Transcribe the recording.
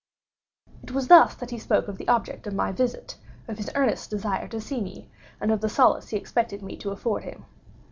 It was thus that he spoke of the object of my visit, of his earnest desire to see me, and of the solace he expected me to afford him.